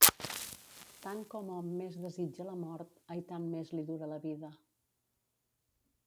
Tant com hom més desitja la mort, aitant més li dura la vida.